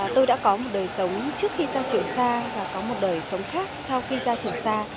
tôi đã có một đời sống trước khi ra trường xa và có một đời sống khác sau khi ra trường xa